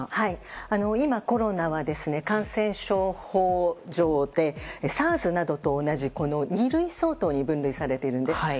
今、コロナは感染症法上でＳＡＲＳなどと同じ二類相当に分類されています。